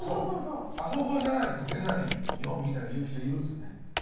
あそこじゃないと出ないよみたいに言う人いるんですよね。